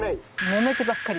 もめてばっかり。